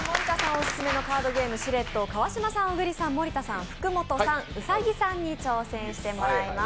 オススメのカードゲーム「シレット」を川島さん、小栗さん、森田さん、福本さん、兎さんに挑戦していただきます。